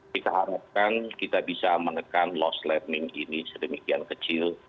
kita harapkan kita bisa menekan lost learning ini sedemikian kecil